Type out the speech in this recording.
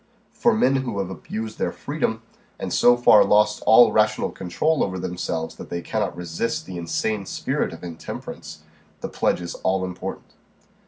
For men who have abused their freedom, and so far lost all rational control over themselves that they cannot resist the insane spirit of intemperance, the pledge is all important.